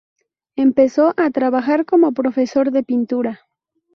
Empezó a trabajar como profesor de pintura.